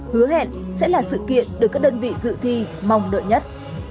hứa hẹn sẽ là sự kiện được các đơn vị dự thi mong đợi nhất